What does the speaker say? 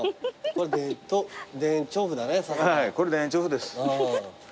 これ田園調布です。